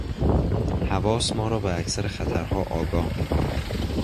حواس ما را به اکثر خطرها آگاه میکند.